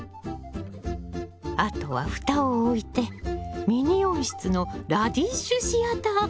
あとは蓋を置いてミニ温室のラディッシュシアター完成！